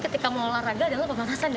ketika mengolahraga adalah pemanasan ya